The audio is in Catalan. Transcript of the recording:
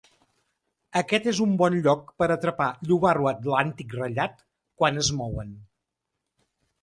Aquest és un bon lloc per a atrapar llobarro atlàntic ratllat quan es mouen.